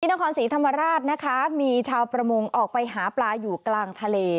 นครศรีธรรมราชนะคะมีชาวประมงออกไปหาปลาอยู่กลางทะเล